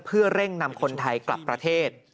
เพื่อเร่งนำคนไทยกลับประเทศ